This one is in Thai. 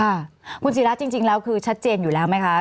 ค่ะคุณศิราจริงแล้วคือชัดเจนอยู่แล้วไหมคะ